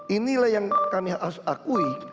inilah yang kami harus akui